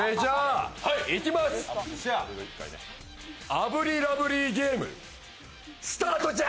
炙りラブリーゲーム、スタートじゃ！